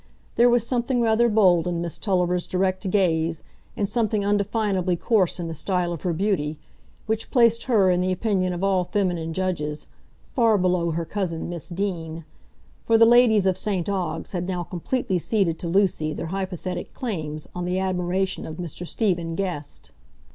There was something rather bold in Miss Tulliver's direct gaze, and something undefinably coarse in the style of her beauty, which placed her, in the opinion of all feminine judges, far below her cousin Miss Deane; for the ladies of St Ogg's had now completely ceded to Lucy their hypothetic claims on the admiration of Mr Stephen Guest.